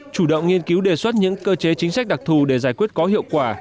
chủ động nghiên cứu đề xuất những cơ chế chính sách đặc thù để giải quyết có hiệu quả